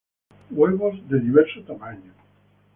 Huevos de diverso tamaño.